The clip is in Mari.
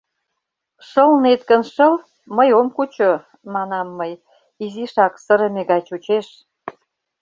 — Шылнет гын, шыл, мый ом кучо, — манам мый, изишак сырыме гай чучеш.